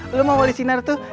lo mau wali sinar tuh